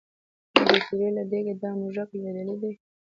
نو د شېرې له دېګه دا موږک لوېدلی دی.